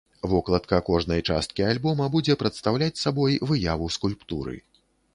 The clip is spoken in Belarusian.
Вокладка кожнай часткі альбома будзе прадстаўляць сабой выяву скульптуры.